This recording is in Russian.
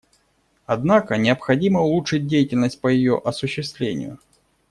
Однако необходимо улучшить деятельность по ее осуществлению.